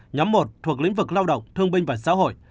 nhóm một thuộc lĩnh vực lao động thương binh và xã hội